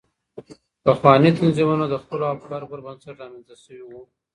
پخواني تنظيمونه د خپلو افکارو پر بنسټ رامنځته سوي وو.